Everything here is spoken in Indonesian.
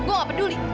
gua gak peduli